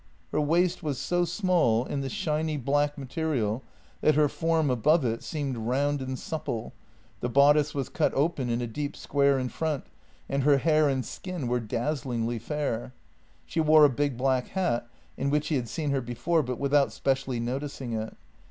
Her waist was so small in the shiny black material that her form above it seemed round and supple; the bodice was cut open in a deep square in front, and her hair and skin were dazzlingly fair. She wore a big black hat, in which he had seen her before, but without specially noticing it.